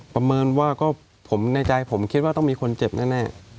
ประเมินว่าก็ผมในใจผมคิดว่าต้องมีคนเจ็บแน่